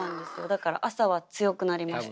だから朝は強くなりました。